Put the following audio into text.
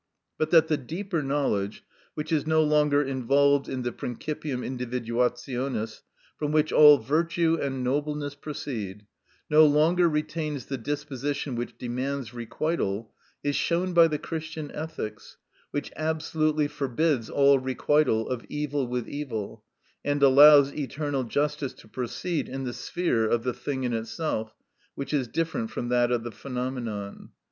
But that the deeper knowledge, which is no longer involved in the principium individuationis, from which all virtue and nobleness proceed, no longer retains the disposition which demands requital, is shown by the Christian ethics, which absolutely forbids all requital of evil with evil, and allows eternal justice to proceed in the sphere of the thing in itself, which is different from that of the phenomenon.